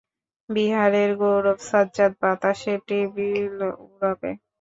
বিহারের গৌরব সাজ্জাদ, বাতাসে টেবিল ওড়াবে।